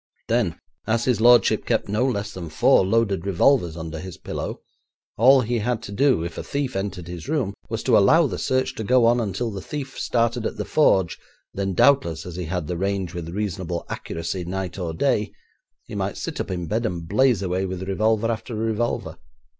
Then, as his lordship kept no less than four loaded revolvers under his pillow, all he had to do, if a thief entered his room was to allow the search to go on until the thief started at the forge, then doubtless, as he had the range with reasonable accuracy night or day, he might sit up in bed and blaze away with revolver after revolver.